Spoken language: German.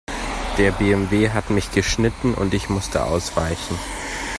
Der BMW hat mich geschnitten und ich musste ausweichen.